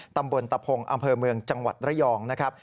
ตำบลตะพงอำเภอเมืองจังหวัดระยองนะครับ